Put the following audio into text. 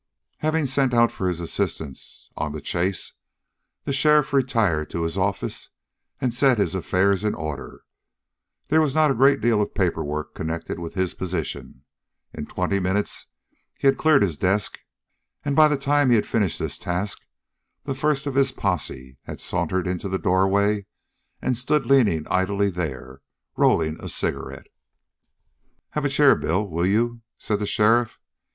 Having sent out for his assistants on the chase, the sheriff retired to his office and set his affairs in order. There was not a great deal of paper work connected with his position; in twenty minutes he had cleared his desk, and, by the time he had finished this task, the first of his posse had sauntered into the doorway and stood leaning idly there, rolling a cigarette. "Have a chair, Bill, will you?" said the sheriff.